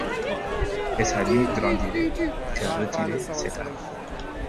Et sa nuit grandirait ; car retirer cette âme.